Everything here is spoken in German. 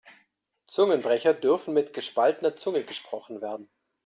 Zungenbrecher dürfen mit gespaltener Zunge gesprochen werden.